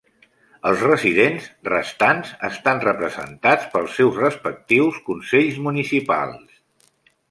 Els residents restants estan representats pels seus respectius consells municipals.